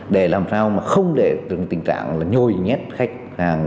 để làm sao không để tình trạng nhồi nhét khách hàng